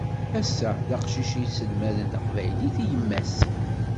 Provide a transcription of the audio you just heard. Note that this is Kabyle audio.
Ass-a d aqcic i isselmaden taqbaylit i yemma-s.